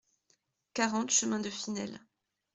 quarante chemin de Finelle